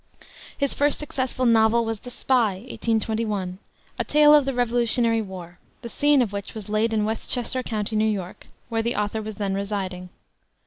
His first successful novel was The Spy, 1821, a tale of the Revolutionary War, the scene of which was laid in Westchester County, N. Y., where the author was then residing.